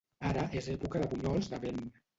Ara és època de bunyols de vent.